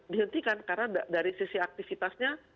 dihentikan karena dari sisi aktivitasnya